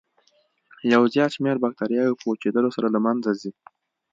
یو زیات شمېر باکتریاوې په وچېدلو سره له منځه ځي.